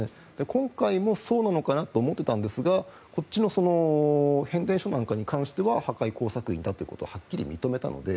今回もそうなのかなと思っていたんですがこっちの変電所なんかに関しては破壊工作員だということをはっきり認めたので